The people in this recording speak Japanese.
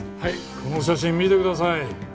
この写真見てください。